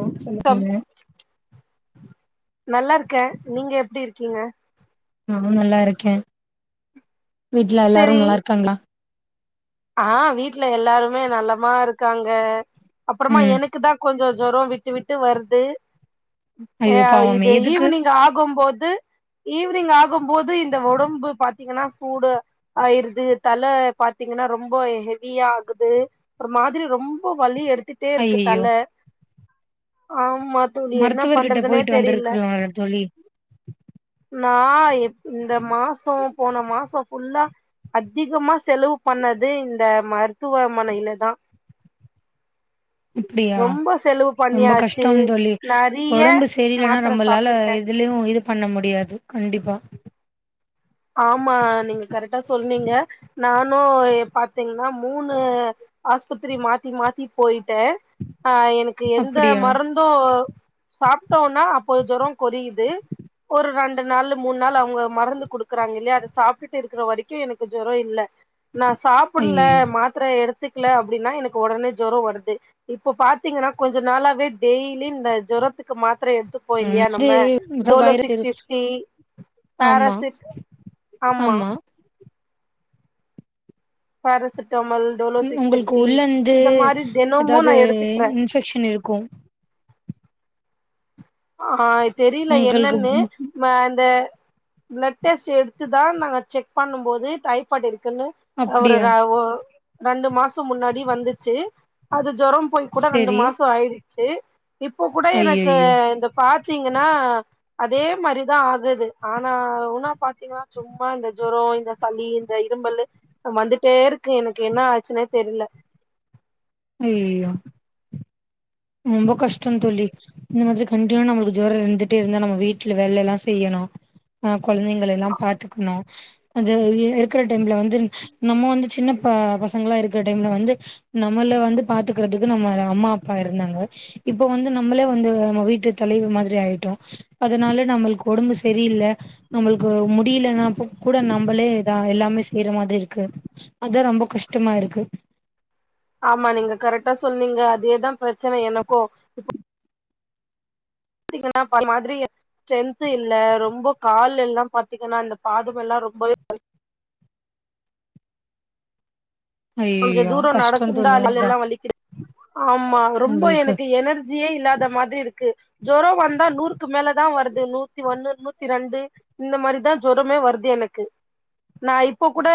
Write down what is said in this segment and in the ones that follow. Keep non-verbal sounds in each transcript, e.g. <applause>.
ஓ சொல்லிக்கீங்க நல்லாருக்கே நீங்க எப்டி இருக்கீங்க நானு நல்லாருக்க வீட்ல எல்லாரு செரி நல்லாருக்காங்களா ஆ வீட்ல எல்லாருமே நல்லமா இருக்காங்க அப்புறமா ம் எனக் குதா கொஞ்ச ஜொரோ விட்டு விட்டு வருது ஐயோ ஆ பாவமே இது எதுக்கு ஈவ்னிங் ஆகும்போது ஈவ்னிங் ஆகும்போது இந்த ஒடம்பு பாத்தீங்கனா சூடா ஆயிருது தல பாத்தி ங்கன்னா ரொம்ப ஹெவியா ஆகுது ஒரு மாதிரி ரொம்ப வலி எடுத்துட் டே இருக்கு தல ஐயையோ ஆமா தோழி என்ன மருத்துவர்கிட்ட பண்றதுனே போயிட்டு தெரில வந்திருக்கலால தோழி நா எம் இந்த மாசோ போன மாசோ ஃபுல்லா அதிகமா செலவு பண்ணது இந்த மருத்துவமனயில தா அப்டியா ரொம்ப செலவு ரொம்ப பண்ணியாச்சு கஷ்ட தோழி நெறைய ஒடம்பு சரியில்லன்னா மாத்திர நம்பளால சாப்ட்டுட்டே எதுலயு இது பண்ண முடியாது கண்டிப்பா ஆமா நீங்க கரெக்டா சொன்னீங்க நானு பாத்தீங்கனா மூனு ஆஸ்பத்திரி மாத்தி மாத்தி போயிட்டே ஆ எனக்கு எந்த அப்டியா மருந்து சாப்டோனா அப்போ ஜொரோ கொரயுது ஒரு ரெண்டு நாளு மூனு நாள் அவுங்க மருந்து குடு க்கறாங்க இல்லியா அத சாப்டுட்டு இருக்ற வரைக்கு எனக்கு ஜொரோ இல்ல நா சாப்புல்ல ஐயையோ மாத் ர எடுத்துக்ல அப்டினா எனக்கு ஒடனே ஜொரோ வருது இப்ப பாத்தீங்கனா கொஞ்ச நாளாவே டெய்லி இந்த ஜொரத்துக்கு மாத்ர எடுத்து போ ம் இல்யா இது நம்ம இது டோலோ வைரஸ் சிக்ஸ் இரு ஃபிப்டி ஆமா பாராசிட் ஆமா பாராசிட்டாமல் டோலோ ம் சிக்ஸ் உங்களுக்கு ஃபிப்டி உள்ளந்து இந்த மாரி தெனமு நா எடுத்துக்றே இன்ஃபெக்க்ஷன் இருக்கு ஆ தெரியில உங்களுக்கு என்னனு ம் நா இந்த பிளட் டெஸ்டு எடுத்து தா நா செக் பண்ணு போது டை ஃபாய்டு இருக்குன்னு அவரு அப்டியா ர ஒ ரெண்டு மாச முன்னாடி வந்துச்சி அது ஜொரோ போய் கூட ரெண்டு சரி மாசோ ஆயிடுச்சி இப்ப கூட எனக்கு ஐயையோ இந்த பாத்தீங்கனா அதே மாரிதா ஆகுது ஆனா ஊனா பாத்தீங்கனா சும்மா இந்த ஜொரோ இந்த சளி இந்த இருமல்லு வந்துட்டே இருக்கு எனக்கு என்ன ஆச்சினே தெர்ல அய்யயோ ரொம்போ கஷ்டோ தோழி இந்த மாரி கண்டினுவா நமளுக்கு ஜொரோ இருந்துட்டே இருந்தா நம்ம வீட்ல வேல்லெல்லா செய்யணு அ கொழந்தைங்கள எல்லா பாத்துக்கணு கொஞ்ச அ இருக்ற டைம்ல வந்து நம்ம வந்து சின்ன ப பசங்ளா இருக்ற டைம்ல வந்து நம்மள வந்து பாத்துக்றதுக்கு நம்மள அம்மா அப்பா இருந்தாங்க இப்ப வந்து நம்மளே வந்து நம்ம வீட்டு தலைவி மாதிரி ஆயிட்டோ அதனால நம்மள்க் ஒடம்பு செரியில்ல நம்மளுக்கு முடியலன்னாப்ப கூட நம்பளே தா எல்லாமே செய்ற மாதிரி இருக்கு அதா ரொம்ப கஷ்டமா இருக்கு ஆமா நீங்க கரெக்டா சொன்னீங்க அதேதா பிரச்சன எனக்கு பாத்தீங்கனா இப் அந்த மாதிரி ஸ்ரென்த் இல்ல ரொம்ப கால் எல்லா பாத்தீங்கனா இந்த பாதம் எல்லா ரொம்பவே கொஞ்ச ஐயயோ தூரோ கஷ்டம் நடக்குந்தா தோழி கால் அதா எல்லா வலிக்குது ஆமா ரொம்ப நம்மளுக்கு எனக்கு எனர் ஜியே இல்லாத மாதிரி இருக்கு ஜொரோ வந்தா நூறுக்கு மேலதா வருது நூத்தி ஒன்னு நூத்தி ரெண்டு இந்த மாரிதா ஜொரமே வருது எனக்கு நா இப் போ கூட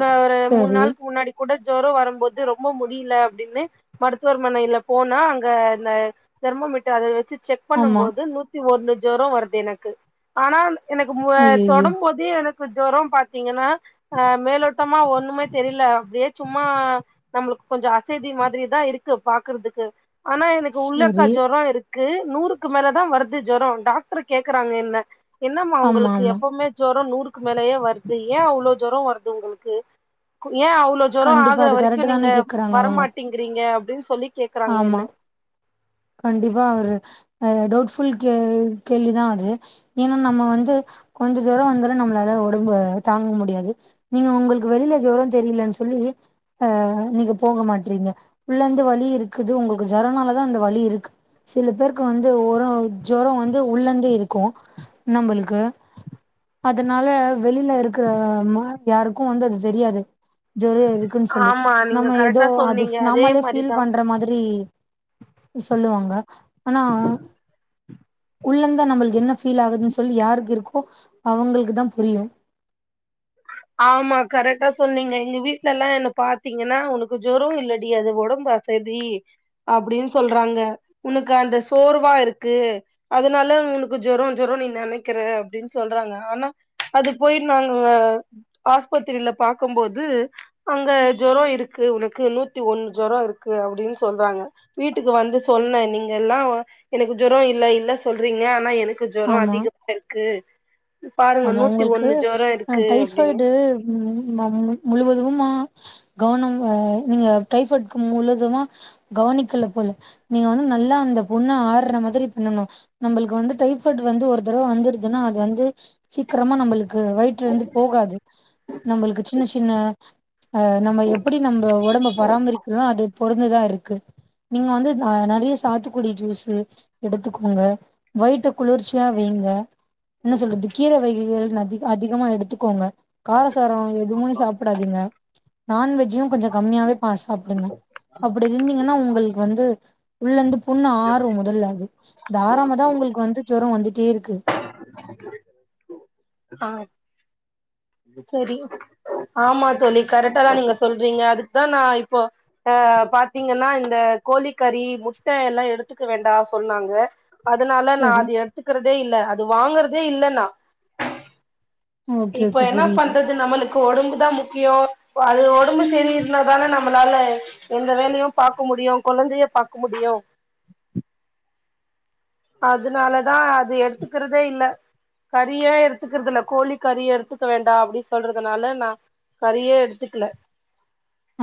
நா ஒரு மூன் சரி நாளுக்கு முன்னாடி கூட ஜொரோ வரம்போது ரொம்ப முடியில அப்டின்னு மருத்துவர்மனைல போனா அங்க அந்த தெர்மாமீட்ட அத வெச்சி செக் பண்ணு ஆமா போது நூத்தி ஒன்னு ஜொரோ வருது எனக்கு ஆனா எனக்கு மு ஐய்யய்யோ தொடும்போத் து எனக்கு ஜொரோ பாத்தீங்கனா அ மேலோட்டமா ஒண்ணுமே தெரியில அப்டியே சும்மா நம்மளுக்கு கொஞ்ச அசதி மாதிரி தா இருக்கு பாக்குறதுக்கு ஆனா எனக்கு உள்ளக்கா சரி ஜொரோ இருக் கு நூறுக்கு மேல தா வருது ஜொரோ டாக்ரு கேக்கறாங்க என்ன என்னம்மா ஆமா உங்களுக்கு ஆமா எப்பவுமே ஜொரோ நூறுக்கு மேலயே வருது ஏ அவ்ளோ ஜொரோ வருது உங்களுக்கு ஏ அவ்ளோ ஜொரோ கண்டிப்பா ஆகுற அது வரைக்கு கரெக்ட் நீங்க தானே கேக்குறாங்க அவங்க வரமாட்டிங்கிறீங்க அப்டின் சொல்லி கேக்குறாங்க ஆமா என்ன கண்டிப்பா அவரு அ டவுட் ஃபுல் கே கேள்வி தா அது ஏனா நம்ம வந்து கொஞ்சோ ஜொரோ வந்தாலு நம்மளால ஒடம்பு தாங்க முடியாது நீங்க உங்களுக்கு வெளியில ஜொரோ தெரியலன் சொல்லி அ நீங்க போக மாட்றீங்க உள்ளந்து வலி இருக்குது உங்களுக்கு ஜொரோனால தா அந்த வலி இருக்கு சில பேருக்கு வந்து ஒரோ ஜொரோ வந்து உள்ளந்து இருக்கு நம்பளுக்கு அதனால வெளியில இருக்குற ம யாருக்கு வந்து அது தெரியாது ஜொரோ இருக்குன்னு சொல்லி ஆமா நீங்க நம்ம எதோ கரெக்டா அது சொன்னீங்க அதே நம்மலே ஃபீல் மாரிதா பண்ற மா ரி சொல்லுவாங்க ஆனா உள்ளந்து நம்மளுக்கு என்ன ஃபீல் ஆகுதுன்னு சொல்லி யாருக்கு இருக்கோ அவுங்களுக்குதா புரியு ஆமா கரெக்டா சொன்னீங்க எங்க வீட்லெல்லா என்ன பாத்தீங்கன்னா உனக்கு ஜொரோ இல்லடி அது ஒடம்பு அசதி அப்டின்னு சொல்றாங்க உனக்கு அந்த சோர்வா இருக்கு அதனால உங்களுக்கு ஜொரோ ஜொரோனு நீ நெனைக்கிற அப்டின்னு சொல்றாங்க ஆனா அது போய் நாங்க ஆஸ்பித்திரில பாக்கும்போது அங்க ஜொரோ இருக்கு உனக்கு நூத்தி ஒண்ணு ஜொரோ இருக்கு அப்டின்னு சொல்றாங்க வீட்டுக்கு வந்து சொன்ன நீங்க எல்லா எனக்கு ஜொரோ இல்ல இல்ல சொல்றீங்க ஆனா எனக்கு ஜொரோ ஆமா அதிகமா இருக்கு பாருங்க நூத்தி ஒண்ணு ஜொரோ இருக்கு அப்படின்னு. ப்படு மு மு முழுவதுமா கவனம் நீங்க டைப்பாய்ட்க்கு முழுதுமா கவனிக்கல போல நீங்க வந்து நல்லா அந்த புண்ண ஆர்ற மாரி பண்ணணு நம்மளுக்கு வந்து டைப்பாய்ட் வந்து ஒரு தரவ வந்துருதுனா அது வந்து சீக்கிரமா நம்மளுக்கு வயிற்லருந்து போகாது நம்மளுக்கு சின்ன சின்ன அ நம்ம எப்படி நம்ம ஒடம்ப பராமரிக்கிறனோ அது பொருந்துதா இருக்கு நீங்க வந்து நெறையா சாத்துக்குடி ஜூஸு எடுத்துக்கோங்க வயிட்ட குளிர்ச்சியா வைங்க என்ன சொல்றது <unintelligible> அதிக அதிகமா எடுத்துக்கோங்க காரசாரோ எதுமே சாப்டாதீங்க நண்வெஜ்ஜயு கொஞ்சோ கம்மியாவே பா சாப்டுங்க அப்டி இருந்தீங்னா உங்களுக்கு வந்து உள்ளந்து புண்ணு ஆரு முதல்ல அது அது ஆறாமதா உங்களுக்கு வந்து ஜொரோ வந்துட்டே இருக்கு ஆ செரி ஆமா தோழி கரெக்டாதா நீங்க சொல்றீங்க அதுக்குதா நா இப்போ அ பாத்தீங்கன்னா இந்த கோழிக்கறி முட்ட எல்லா எடுத்துக்க வேண்டா சொன்னாங்க அதனால நா சரி அது எடுத்துக்கிறதே இல்ல அது வாங்கறதே இல்ல நா ஓகே இப்ப ஓகே என்னா புரியுது பண்றது நம்மளு க்கு ஒடம்புதா முக்கியோ அது ஒடம்பு சரி இருந்தாதானே நம்மளால எந்த வேலையு பாக்க முடியு கொழந்தைய பாக்க முடியு அதுனாலதா அது எடுத்துக்கிறதே இல்ல கறியே எடுத்துக்கிறது இல்ல கோழி கறி எடுத்துக்க வேண்டா அப்டி சொல்றதுனால நா கறியே எடுத்துக்கல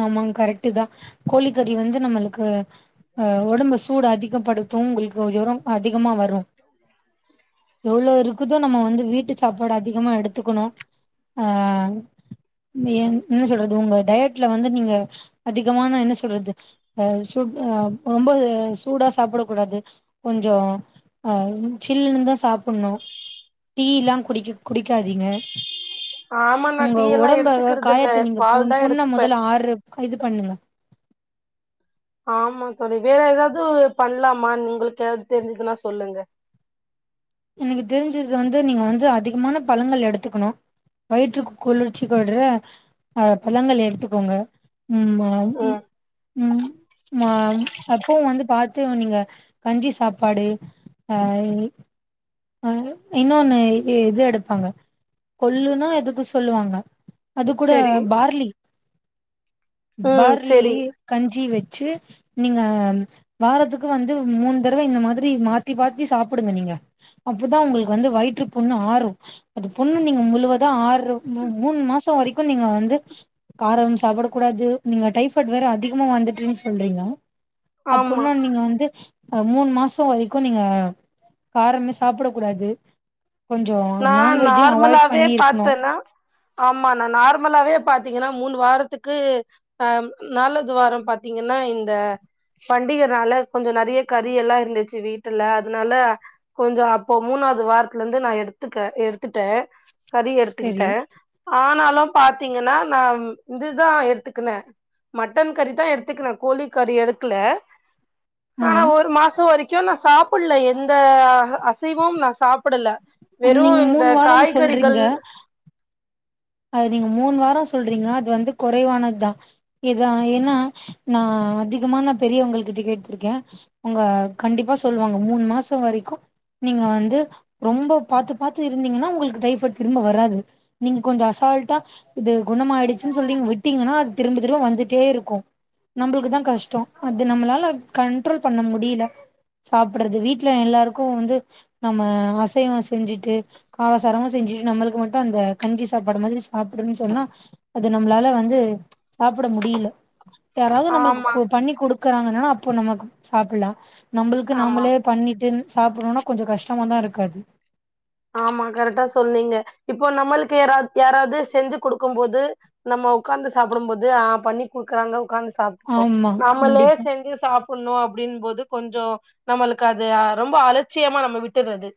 ஆமாங் கரெக்ட்டுதா கோழிக்கறி வந்து நம்மளுக்கு அ ஒடம்ப சூட அதிகப்படுத்து உங்களுக்கு ஜொரோ அதிகமா வரு எவ்ளோ இருக்குதோ நம்ம வந்து வீட்டு சாப்பாட அதிகமா எடுத்துக்கணு ஆ என் என்ன சொல்றது உங்க டயட் ல வந்து நீங்க அதிகமா நா என்ன சொல்றது அ சூ ரொம்ப சூடா சாப்பிடக் கூடாது கொஞ்சோ அ சில்லுன்னுதா சாப்பணு டீ எல்லா குடிக் குடிக்காதீங்க ஆமா நா உங்க டீ எல்லா ஒடம்ப எடுத்துக்கறது இல்ல காயத்த நீங்க பு பால் தா புண்ண எடுத்துப்பே மொதல்ல ஆர்ற இது பண்ணுங்க ஆமா தோழி வேற எதாவது பண்லாமா உங்களுக்கு எதாவது தெரிஞ்சுதுனா சொல்லுங்க எனக்கு தெரிஞ்சது வந்து நீங்க வந்து அதிகமான பழங்கள் எடுத்துக்கணு வயிற்றுக்கு குளிர்ச்சி படற பழங்கள எடுத்துக்கோங்க ஆமா ஆம் உ ம் ம் அ அப்பவு வந்து பாத்து நீங்க கஞ்சி சாப்பாடு அ அ இன்னொன்னு இது இது எடுப்பாங்க கொள்ளுனா எதுக்கு சொல்லுவாங்க அது கூட சரி பார்லி ம் பார்லி சரி கஞ்சி வச்சு நீங்க வாரத்துக்கு வந்து மூணு தடவ இந்த மாதிரி மாத்தி பாத்தி சாப்பிடுங்க நீங்க அப்பதான் உங்களுக்கு வந்து வயிற்று புண்ணு ஆறும் அது புண்ணு நீங்க முழுவதா ஆறு மூணு மாசம் வரைக்கும் நீங்க வந்து காரம் சாப்பிட கூடாது நீங்க டைஃபைட் வேற அதிகமா வந்துட்டுன்னு சொல்றீங்க ஆமா அப்பன்னா நீங்க வந்து மூணு மாசம் வரைக்கும் நீங்க காரமே சாப்ட கூடாது கொஞ்சோ நா நான்வெஜ்ஜு அவாய்ட் நார்மலாவே பண்ணி இருக்கணு பாத்தன்னா ஆமா நா நார்மலாவே பாத்தீங்கன்னா மூணு வாரத்துக்கு அ நாலாவது வாரம் பாத்தீங்கன்னா இந்த பண்டிகனால கொஞ்சோ நெறைய கறி எல்லாம் இருந்துச்சு வீட்டுல அதனால கொஞ்சோ அப்போ மூணாவது வாரத்துல இருந்து நா எடுத்துக்க எடுத்துட்டேன் கறி செரி எடுத்துக்கிட்டேன் ஆனாலும் பாத்தீங்கன்னா நா இதுதான் எடுத்துக்கனேன் மட்டன் கறி தா எடுத்துக்குன கோழி கறி எடுக்கல ஆ ஆனா ஒரு மாசம் வரைக்கும் நா சாப்பிடல எந்த அசைவவும் நா சாப்பிடல வெறும் நீங்க இந்த மூணு வாரம் சொல்றீங்க காய்கறிகள் அது நீங்க மூணு வாரம் சொல்றீங்களா அது வந்து குறைவானது தா இதான் ஏன்னா நா அதிகமா நா பெரியவுங்கள் கிட்ட கேட்ருக்கேன் அவுங்க கண்டிப்பா சொல்லுவாங்க மூணு மாசம் வரைக்கும் நீங்க வந்து ரொம்ப பாத்து பாத்து இருந்தீங்கன்னா உங்களுக்கு டைஃபைட் திரும்ப வராது நீங்க கொஞ்சோ அச அசால்ட்டா இது குணமாயிடிச்சின் சொல்லி விட்டீங்கன்னா அது திரும்ப திரும்ப வந்துட்டே இருக்கும் நம்மளுக்கு தா கஷ்டம் அது நம்மளால கண்ட்ரோல் பண்ண முடியல சாப்ட்றது வீட்டுல எல்லாருக்கும் வந்து நம்ம அசைவம் செஞ்சுட்டு கலாசாரமும் செஞ்சுட்டு நம்மளுக்கு மட்டும் அந்த கஞ்சி சாப்ட் அப்பட மாதிரி சாப்டும்ன்னு சொன்னா அது நம்மளால வந்து சாப்பிட முடியல யாராவது ஆமா நம்மளுக்கு பண்ணி குடுக்குறாங்கன்னா அப்போ நம்ம சாப்பிடலாம் நம்மளுக்கு ஆமா நம்மளே பண்ணிட்டு சாப்பிடணும்னா கொஞ்சோ கஷ்டமா தா இருக்காது ஆமா கரெக்டா சொன்னீங்க இப்போ நம்மளுக்கு யார யாராவது செஞ்சு குடுக்கும் போது நம்ம உக்காந்து சாப்பிடும் போது ஆ பண்ணி குடுக்குறாங்க உக்காந்து சாப்ட்டுப்போம் ஆமா நம்மளே கண்டிப்பா செஞாசி சா ப்புணும் அப்படின் போது கொஞ்சோ நம்மளுக்கு அது ரொம்ப அலட்சியமா நம்ம விட்டுறது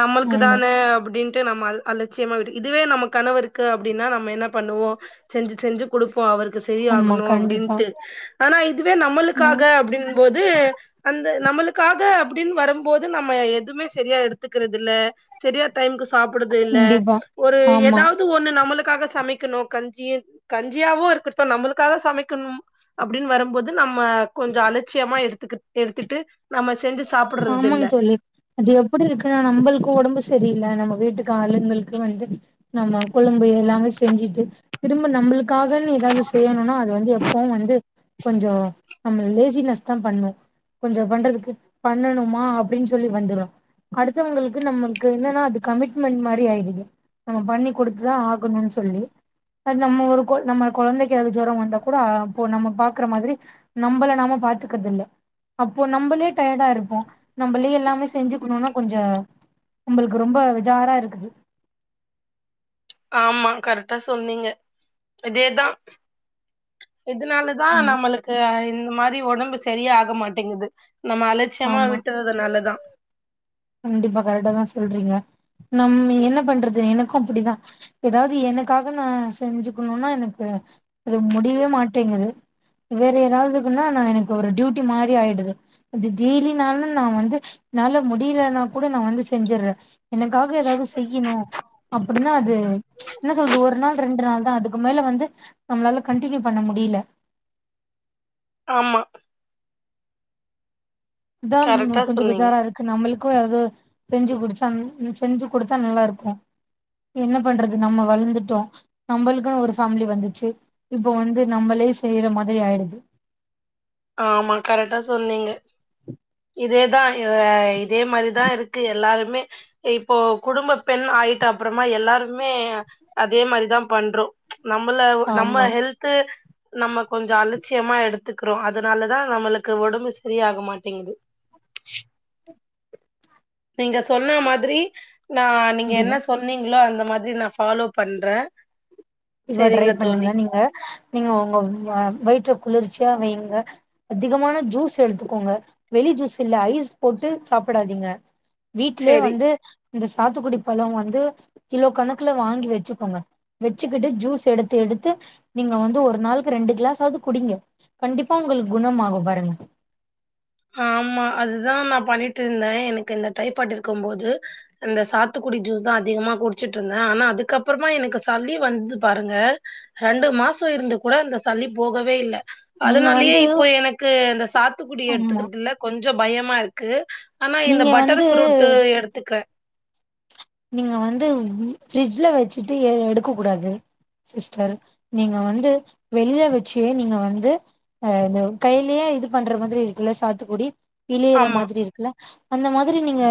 நம்மளுக்கு ஆமா தான அப்படின்னு ட்டு நம்ம அல அலட்சியமா வி இதுவே நம்ம கணவருக்கு அப்டின்னா நம்ம என்ன பண்ணுவோம் செஞ்சு செஞ்சு குடுப்போம் அவருக்கு சரி ஆமா ஆகணும் கண்டிப்பா அப்படின்ட்டு ஆனா இதுவே ம் நம்மளுக்காக அப்படின் போது அந்த நம்மளுக்காக அப்படின் வரும்போது நம்ம எதுவுமே சரியா எடுத்துக்கறது இல்ல சரியா டைமுக்கு சாப்டுறது இல்ல கண்டிப்பா ஒரு ஆமா ஏதாவது ஒண்ணு நம்மளுக்காக சமைக் கணும் கஞ்சிய கஞ்சியாவோ இருக்கட்டும் நம்மளுக்காக சமைக்கணும் அப்படின் வரும்போது நம்ம கொஞ்சோ அலட்சியமா எடுத்து எடுத்துட்டு நம்ம செஞ்சு சாப்பி ஆமாங்க தோழி அது எப்படி இருக்குன்னா நம்மளுக்கும் உடம்பு சரியில்ல நம்ம வீட்டுக்கு ஆளுங்களுக்கு வந்து நம்ம கொழம்பு எல்லாமே செஞ்சுட்டு திரும்ப நம்மளுக்காகன் ஏதாவது செய்யணும்னா அது வந்து எப்பவும் வந்து கொஞ்சோ நம்ம லேசினஸ் தா பண்ணோ கொஞ்சோ பண்றதுக்கு பண்ணணுமா அப்டின்னு சொல்லி வந்துரு அடுத்தவங்களுக்கு நமக்கு என்னன்னா அது கமிட்மெண்ட் மாரி ஆய்டுது நம்ம பண்ணி குடுத்துதா ஆகணுன் சொல்லி இப்ப நம்ம ஒரு கொ நம்ம கொழந்தைக்கு அது ஜொரோ வந்தா கூட இப்ப நம்ம பாக்குற மாதிரி நம்பள நாம பாத்துக்கிறது இல்ல அப்போ நம்பளே டயர்டா இருப்போ நம்மளே எல்லாமே செஞ்சுக்கணுனா கொஞ்சோ நம்மளுக்கு ரொம்ப பேஜாரா இருக்குது ஆமா கரெக்ட்டா சொன்னீங்க இதேதா இதுனால அதா ம் நம்மளுக்கு இந்த மாரி ஒடம்பு சரியாக மாட்டேங்குது நம்ம அலச்சியமா ஆமா விட்டுறத னாலதா கண்டிப்பா கரெட்டா தா சொல்றீங்க நம் என்ன பண்றது எனக்கு அப்டிதா எதாவது எனக்காக நா செஞ்சுக்கணுன்னா எனக்கு அது முடியவே மாட்டேங்குது வேற யாராவுதுக்குன்னா நா எனக்கு ஒரு டியூட்டி மாரி ஆய்டுது அது டெய்லினாலு நா வந்து என்னால முடியல னா கூட நா வந்து செஞ்சிர்ற எனக்காக எதாவது செய்யணு அப்டின்னா அது என்ன சொல்றது ஒரு நாள் ரெண்டு நாள் தா அதுக்கு மேல வந்து நம்ளால கன்டின்யூ பண்ண முடியல ஆமா அதா கரெக்டா கொஞ்சோ சொன்னீங்க பேஜாரா இருக் கு நம்மளுக்கு ஏதோ செஞ்சு குடிச்சா செஞ்சு குடுத்தா நல்லாருக்கு என்ன பண்றது நம்ம வளந்துட்டோ நம்மளுக்குன் ஒரு ஃபேமிலி வந்துச்சு இப்போ வந்து நம்மளே செய்ற மாதி ஆய்டுது ஆமா கரெட்டா சொன்னீங்க இதேதா அ இதே மாரிதா இருக்கு எல்லாருமே இப்போ குடும்பப் பெண் ஆயிட்ட அப்புறமா எல்லாருமே அதே மாரிதா பண்றோ நம்மள நம்ம ஆமா ஹெல்து நம்ம கொஞ்சோ அலச்சியமா எடுத்துக்கிறோ அதனாலதா நம்மளுக்கு ஒடம்பு சரியாக மாட்டேங்குது நீங்க சொன்ன மாதிரி நா நீங்க முடியு என்ன சொன்னீங்களோ அந்த மாதிரி நா ஃபாலோ பண்ற இப்ப ட்ரை பண்ணுங்க நீங்க நீங்க உங்க வ வயிற்ற குளிர்ச்சியா வைங்க அதிகமான ஜூஸ் எடுத்துக்கோங்க வெளி ஜூஸ் இல்ல ஐஸ் போட்டு சாப்பிடாதீங்க வீட்லே செரி வந்து இந்த சாத்துக்குடி பழோ வந்து கிலோ கணக்குல வாங்கி வச்சிக்கோங்க வச்சிக்கிட்டு ஜூஸ் எடுத்து எடுத்து நீங்க வந்து ஒரு நாளுக்கு ரெண்டு க்ளஸாவது குடிங்க கண்டிப்பா உங்களுக்கு குணமாகு பாருங்க ஆமா அதுதா நா பண்ணிட்ருந்த எனக்கு இந்த டைபாட் இருக்கம் போது அந்த சாத்துக்குடி ஜூஸ் தா அதிகமா குடிச்சுட்ருந்த ஆனா அதுக்கப்றமா எனக்கு சளி வந்தது பாருங்க ரெண்டு மாசோ இருந்து கூட அந்த சளி போகவே இல்ல நீங்க அதனாலயே வந்து இப்போ எனக்கு இந்த சாத்துக்குடிய ஆமா எடுத்துக்கிறதுல கொஞ்சோ பயமா இருக்கு ஆனா இந்த நீங்க பட்டர் வந்து ஃப்ரூட்டு எடுத்துக்க நீங்க வந்து ஃப்ரிட்ஜ்ல வச்சுட்டு எடுக்க கூடாது சிஸ்டர் நீங்க வந்து வெளில வச்சே நீங்க வந்து அ இந்த கையிலயே இது பண்ற மாதிரி இருக்குல்ல சாத்துக்குடி பிழியிற ஆமா மாதிரி இருக்குல்ல அந்த மாதிரி நீங்க